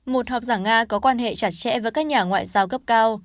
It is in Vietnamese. một họp giảng nga có quan hệ chặt chẽ với các nhà ngoại giao gấp cao